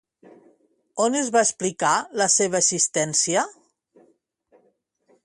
On es va explicar la seva existència?